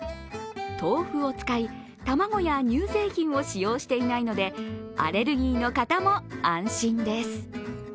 豆腐を使い、卵や乳製品を使用していないのでアレルギーの方も安心です。